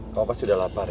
kamu pasti sudah lapar ya